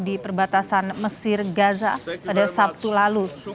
di perbatasan mesir gaza pada sabtu lalu